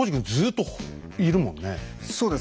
そうです。